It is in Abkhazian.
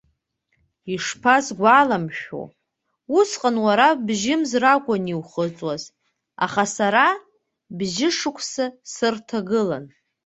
Ишԥасгәаламшәои, усҟан уара бжьымз ракәын иухыҵуаз, аха сара бжьышықәса сырҭагылан.